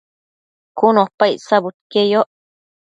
cun opa icsabudquieyoc